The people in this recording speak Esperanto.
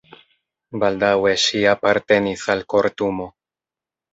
Baldaŭe ŝi apartenis al kortumo.